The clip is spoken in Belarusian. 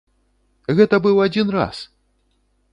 Гэта быў адзін раз!